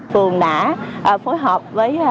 phường đã phối hợp với